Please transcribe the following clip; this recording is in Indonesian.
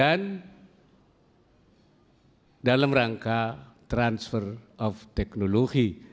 dan dalam rangka transfer of teknologi